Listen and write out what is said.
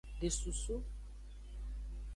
De susu.